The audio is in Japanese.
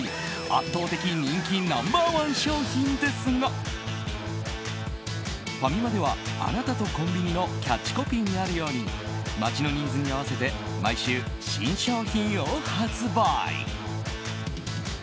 圧倒的人気ナンバー１商品ですがファミマでは「あなたと、コンビに、」のキャッチコピーにあるように街のニーズに合わせて毎週、新商品を発売。